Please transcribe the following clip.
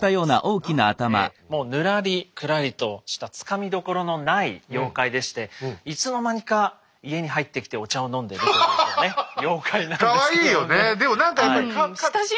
もうぬらりくらりとしたつかみどころのない妖怪でしていつの間にか家に入ってきてお茶を飲んでるというね妖怪なんですけどもね。